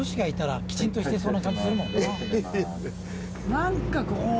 何かここの。